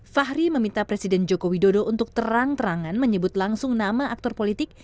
fahri meminta presiden joko widodo untuk terang terangan menyebut langsung nama aktor politik